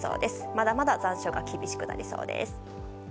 まだまだ残暑が厳しくなりそうです。